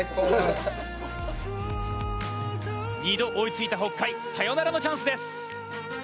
２度追いついた北海サヨナラのチャンスです。